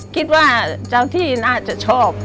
คิดว่าเจ้าที่น่าจะชอบ